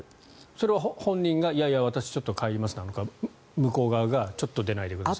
それは本人がいやいや、私、帰りますなのか向こう側がちょっと出ないでください。